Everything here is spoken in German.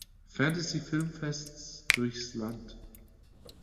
Fantasy Filmfests durchs Land.